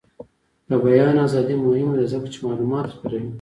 د بیان ازادي مهمه ده ځکه چې معلومات خپروي.